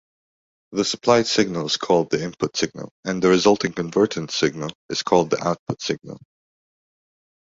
The supplied signal is called the “input signal” and the resulting converted signal is called the “output signal”.